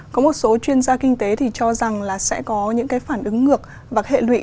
có một số chuyên gia kinh tế thì cho rằng là sẽ có những cái phản ứng ngược và hệ lụy